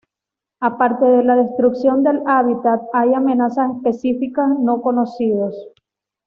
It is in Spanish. Aparte de la destrucción del hábitat, hay amenazas específicas no conocidos.